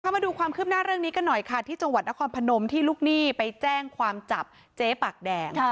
มาดูความคืบหน้าเรื่องนี้กันหน่อยค่ะที่จังหวัดนครพนมที่ลูกหนี้ไปแจ้งความจับเจ๊ปากแดง